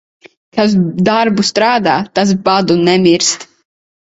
Kas darbu strādā, tas badu nemirst.